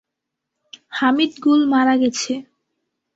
হামিদ গুল মারা গেছে।